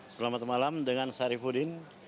selamat malam dengan syarifudin